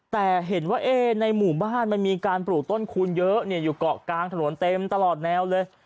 แต่เห็นว่าในหมู่บ้านมันมีการปลูกต้นคูณเยอะอยู่เกาะกลางถนนเต็มตลอดแนวเลย